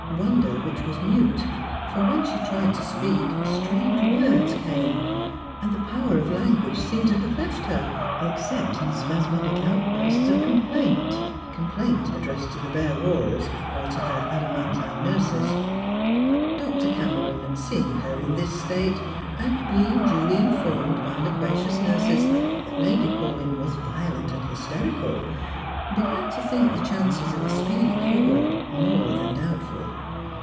357 wonder wliich was mute, for when she tried to speak strange words came, and tlie power of language seemed to have left her, except in spasmodic outbursts of complaint, complaint addressed to the bare walls or to her adamantine nurses. Dr. Cameron seeing her in this state, and being duly informed by loquacious nurses that Lady Paulyn was violent and hysterical, began to think the chances of speedy cure more than doubtful.